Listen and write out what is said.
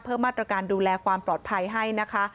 เพื่อมาตรการดูแลความปลอดภัยให้